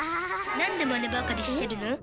なんでマネばかりしてるの？